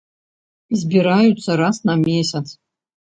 Збіраюцца раз на месяц.